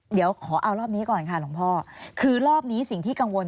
เดี๋ยวขอเอารอบนี้ก่อนค่ะหลวงพ่อคือรอบนี้สิ่งที่กังวล